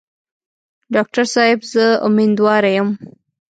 ډاکټر صاحب زه امیندواره یم.